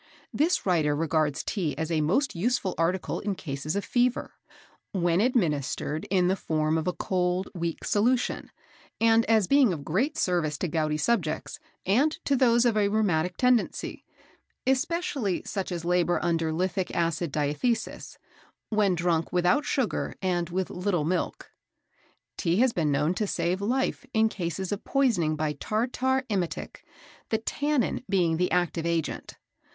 This writer regards Tea as a most useful article in cases of fever, when administered in the form of a cold, weak solution, and as being of great service to gouty subjects, and to those of a rheumatic tendency (especially such as labour under lithic acid diathesis) when drunk without sugar and with little milk. Tea has been known to save life in cases of poisoning by tartar emetic, the tannin being the active agent.